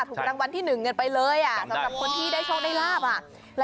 ถูกรางวัลที่หนึ่งเงินไปเลยอ่ะสำหรับคนที่ได้โชคได้ลาบอ่ะ